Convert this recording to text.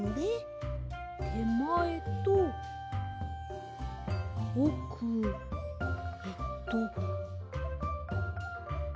てまえとおくえっと。